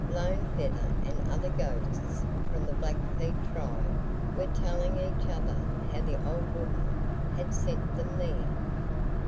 Lone Feather and other ghosts from the Blackfeet tribe were telling each other how the old woman had sent them there.